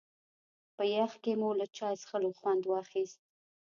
په يخ کې مو له چای څښلو خوند واخيست.